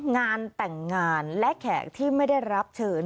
งานแต่งงานและแขกที่ไม่ได้รับเชิญ